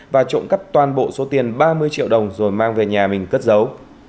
và trộm cắp toàn bộ số tiền ba mươi triệu đồng rồi mang về nhà mình cất dấu